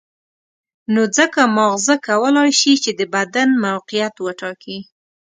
نو ځکه ماغزه کولای شي چې د بدن موقعیت وټاکي.